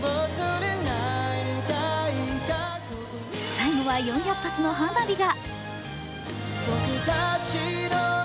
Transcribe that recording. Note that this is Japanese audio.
最後は４００発の花火が。